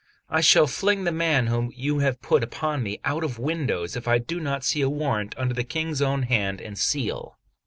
I shall fling the man whom you have put upon me out of windows if I do not see a warrant under the King's own hand and seal."